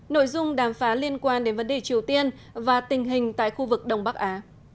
nội dung đàm phán liên quan đến vấn đề triều tiên và tình hình tại khu vực đông bắc á